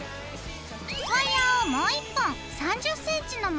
ワイヤーをもう１本３０ｃｍのものを用意して。